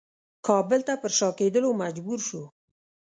کابل ته پر شا کېدلو مجبور شو.